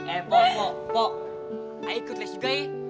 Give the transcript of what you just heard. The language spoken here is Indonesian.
eh pok pok pok ayo ikut les juga ya